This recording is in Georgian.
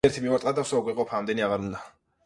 მონასტრის ძველი სახელი და დაარსების დრო უცნობია.